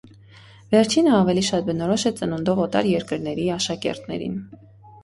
Վերջինը ավելի շատ բնորոշ է ծնունդով օտար երրների աշակերտեներին։